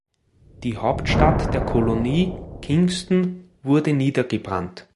Die Hauptstadt der Kolonie, Kingston, wurde niedergebrannt.